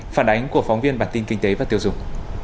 phản ánh của phóng viên bản tin kinh tế và tiêu dùng